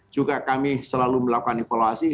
juga kami selalu melakukan evaluasi